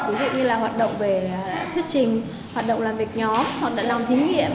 ví dụ như là hoạt động về thuyết trình hoạt động làm việc nhóm hoạt động lòng thí nghiệm